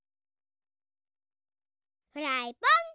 フライパン！